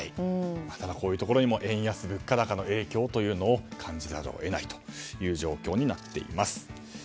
こういうところにも円安や物価高の影響を感じざるを得ない状況になっています。